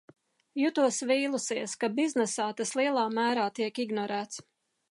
Jutos vīlusies, ka biznesā tas lielā mērā tiek ignorēts.